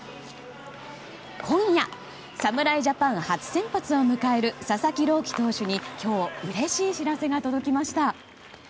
今夜、侍ジャパン初先発を迎える佐々木朗希投手に今日うれしい知らせが届きました。